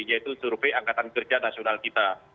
yaitu survei angkatan kerja nasional kita